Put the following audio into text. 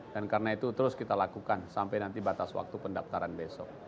dan karena itu terus kita lakukan sampai nanti batas waktu pendaftaran besok